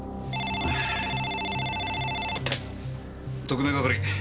特命係。